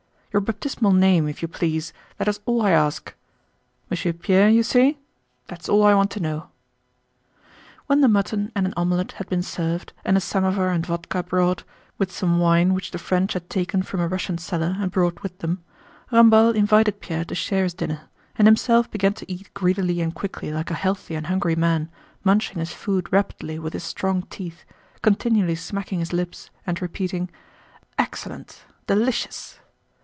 "Your baptismal name, if you please. That is all I ask. Monsieur Pierre, you say.... That's all I want to know." When the mutton and an omelet had been served and a samovar and vodka brought, with some wine which the French had taken from a Russian cellar and brought with them, Ramballe invited Pierre to share his dinner, and himself began to eat greedily and quickly like a healthy and hungry man, munching his food rapidly with his strong teeth, continually smacking his lips, and repeating—"Excellent! Delicious!"